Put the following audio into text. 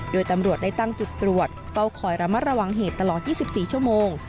โดยตำรวจได้ตั้งจุดตรวจเฝ้าคอยระมัดระวังเหตุตลอด๒๔ชั่วโมง